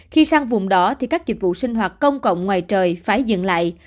khi sang vùng đỏ thì các dịch vụ sinh hoạt công cộng ngoài trời phải dừng lại